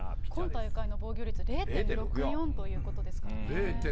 今大会の防御率０．６４ということですからね。